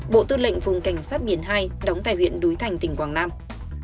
bộ tư lệnh vùng cảnh sát biển hai đóng tại huyện núi thành tỉnh quảng nam